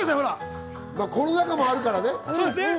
コロナ禍もあるからね。